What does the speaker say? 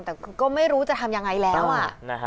แต่ก็ไม่รู้จะทำยังไงแล้วอ่ะ